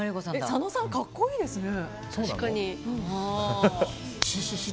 佐野さん、格好いいですね。